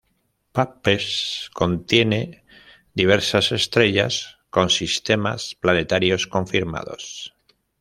Puppis contiene diversas estrellas con sistemas planetarios confirmados.